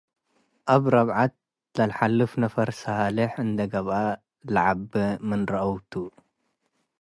እብ ረብዐት ለልሐልፍ ነፈር ሳሌሕ እንዴ ገብአ ለዐቤ ምን ርአዉ ቱ ።